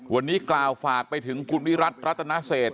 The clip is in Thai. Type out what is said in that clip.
วันนี้กล่าวฝากไปถึงคุณวิรัติรัตนเศษ